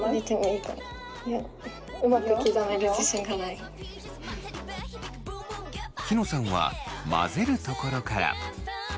てかきのさんは混ぜるところから。